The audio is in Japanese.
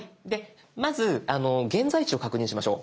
まず現在地を確認しましょう。